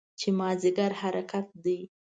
چې مازدیګر حرکت دی.